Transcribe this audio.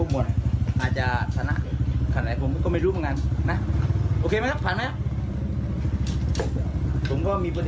โอเคเนอะถังดูก่อน